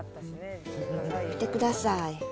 見てください。